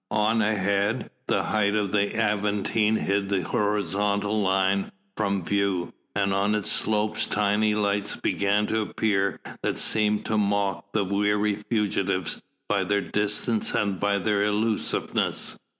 On ahead the height of the Aventine hid the horizon line from view, and on its slopes tiny lights began to appear that seemed to mock the weary fugitives by their distance and their elusiveness.